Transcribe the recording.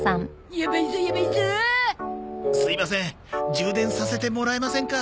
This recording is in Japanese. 充電させてもらえませんか？